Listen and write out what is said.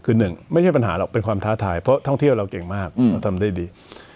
คือหนึ่งไม่ใช่ปัญหาหรอกเป็นความท้าทายเพราะท่องเที่ยวเราเก่งมากเราทำได้ดี